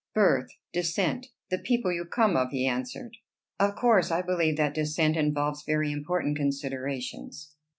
"Birth, descent, the people you come of," he answered. "Of course I believe that descent involves very important considerations."